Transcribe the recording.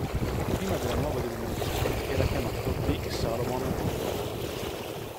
Prima della nuova denominazione era chiamato "Big Salmon River".